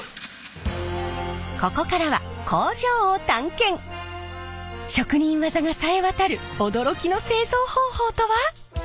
ここからは職人技がさえ渡る驚きの製造方法とは？